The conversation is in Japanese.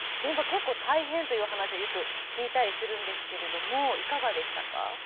結構大変という話をよく聞いたりするんですけれどもいかがでしたか？